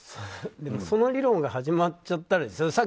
でも、その理論が始まっちゃったらですよ。